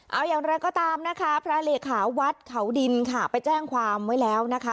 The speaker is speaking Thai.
เอาอย่างไรก็ตามนะคะพระเลขาวัดเขาดินค่ะไปแจ้งความไว้แล้วนะคะ